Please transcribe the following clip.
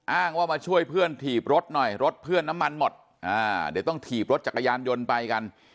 อ้างว่ามาช่วยเพื่อนถีบรถหน่อยรถเพื่อนน้ำมันหมดอ่าเดี๋ยวต้องถีบรถจักรยานยนต์ไปกัน